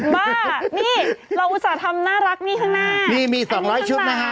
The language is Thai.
บ้านี่เราอุตส่าห์ทำน่ารักนี่ข้างหน้าอันนี้ข้างหลังนี่มี๒๐๐ชุดนะฮะ